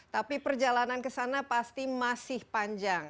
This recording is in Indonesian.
tapi perjalanan ke sana pasti masih panjang